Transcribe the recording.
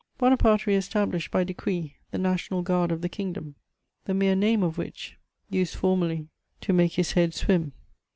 Bonaparte re established, by decree, the National Guard of the Kingdom, the mere name of which used formerly to make his head swim.